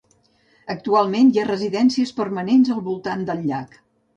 Actualment hi ha residències permanents al voltant del llac.